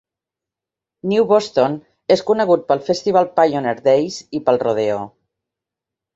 New Boston és conegut pel festival Pioneer Days i pel Rodeo.